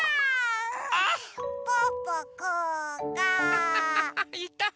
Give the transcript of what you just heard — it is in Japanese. アハハハいた！